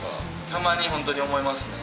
たまに本当に思いますね。